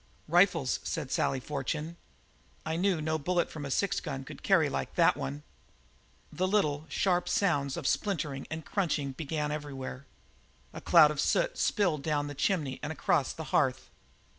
"Rifles," said Sally Fortune. "I knew no bullet from a six gun could carry like that one." The little, sharp sounds of splintering and crunching began everywhere. A cloud of soot spilled down the chimney and across the hearth.